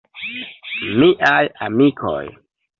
Miaj amikoj.